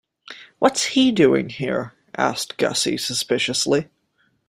'What's he doing here?' asked Gussie suspiciously.